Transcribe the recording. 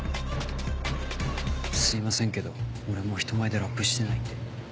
すいませんけど俺もう人前でラップしてないんで。